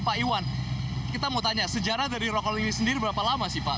pak iwan kita mau tanya sejarah dari rokol ini sendiri berapa lama sih pak